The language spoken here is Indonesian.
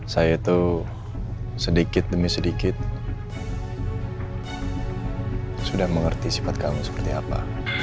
saya itu sedikit demi sedikit sudah mengerti sifat kamu seperti apa